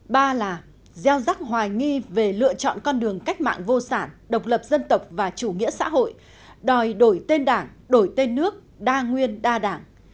ba là gieo rắc hoài nghi về lựa chọn con đường cách mạng vô sản độc lập dân tộc và chủ nghĩa xã hội đòi đổi tên đảng đổi tên nước đa nguyên đa đảng